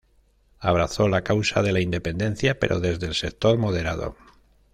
Abrazó la causa de la independencia, pero desde el sector moderado.